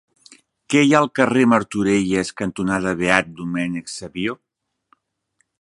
Què hi ha al carrer Martorelles cantonada Beat Domènec Savio?